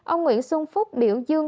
ông nguyễn xuân phúc biểu dương